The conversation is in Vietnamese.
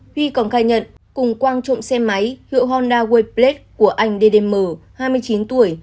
huy còn khai nhận cùng quang trộm xe máy hiệu honda wayblade của anh ddm hai mươi chín tuổi